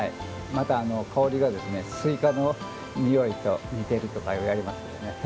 また香りがスイカのにおいと似てるとかいわれますね。